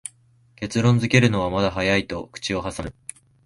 結論づけるのはまだ早いと口をはさむ